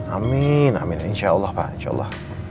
amin amin insya allah pak insya allah